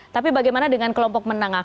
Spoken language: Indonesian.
tapi bagaimana dengan kelompok menengah